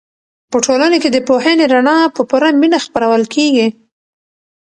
په ټولنه کې د پوهې رڼا په پوره مینه خپرول کېږي.